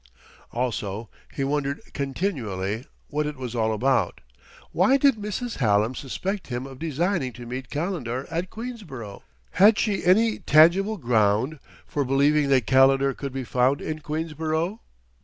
Also, he wondered continually what it was all about. Why did Mrs. Hallam suspect him of designing to meet Calendar at Queensborough? Had she any tangible ground for believing that Calendar could be found in Queensborough?